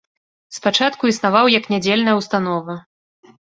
Спачатку існаваў як нядзельная ўстанова.